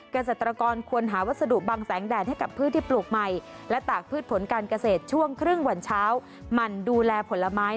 เกษตรกรควรหาวัสดุบังแสงแดดให้กับพืชที่ปลูกใหม่และตากพืชผลการเกษตรช่วงครึ่งวันเช้าหมั่นดูแลผลไม้